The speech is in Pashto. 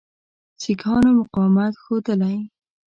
سیکهانو مقاومت ښودلی.